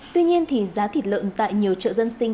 tuy nhiên giá thịt lợn tại nhiều chợ dân sinh